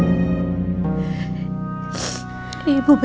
aku akan buat teh hangat ya ibu ya